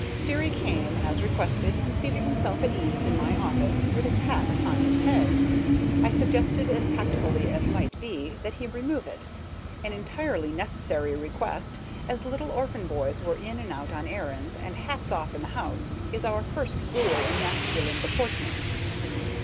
Sterry came, as requested, and seated himself at ease in my office with his hat upon his head. I suggested as tactfully as might be that he remove it, an entirely necessary request, as little orphan boys were in and out on errands, and "hats off in the house" is our first rule in masculine deportment.